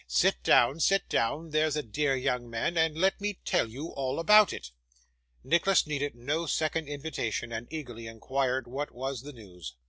'Sit down. Sit down, there's a dear young man, and let me tell you all about it.' Nicholas needed no second invitation, and eagerly inquired what was the news.